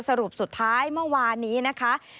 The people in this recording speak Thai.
สรุปสุดท้ายเมื่อวานนี้นะคะ